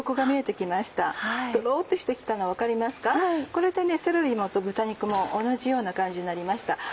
これでセロリも豚肉も同じような感じになりました。